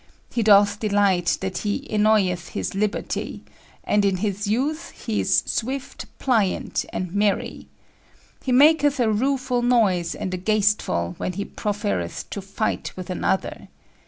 He dothe delight that he enioyeth his libertye; and in his youthe he is swifte, plyante, and merye. He maketh a rufull noyse and a gastefull when he profereth to fighte with an other.